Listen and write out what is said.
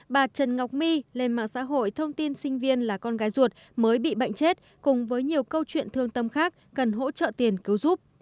bà trần ngọc my lên mạng xã hội thông tin sinh viên là con gái ruột mới bị bệnh chết cùng với nhiều câu chuyện thương tâm khác cần hỗ trợ tiền cứu giúp